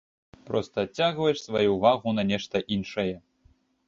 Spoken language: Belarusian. Проста адцягваеш сваю ўвагу на нешта іншае.